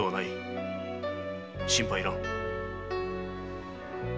心配要らん。